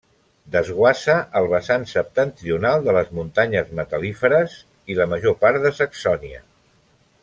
Desguassa el vessant septentrional de les Muntanyes Metal·líferes i la major part de Saxònia.